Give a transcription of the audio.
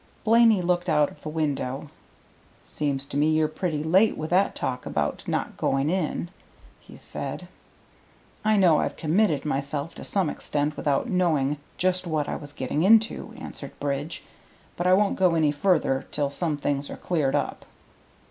Blaney looked out of the window. "Seems to me you're pretty late with that talk about not going in," he said. "I know I've committed myself to some extent without knowing just what I was getting into," answered Bridge, "but I won't go any farther till some things are cleared up."